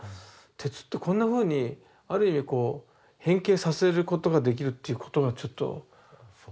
鉄ってこんなふうにある意味こう変形させることができるっていうことがちょっと驚いた。